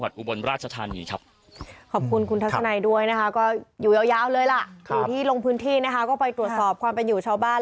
อยู่ที่ลงพื้นที่นะคะก็ไปตรวจสอบความเป็นอยู่ชาวบ้าน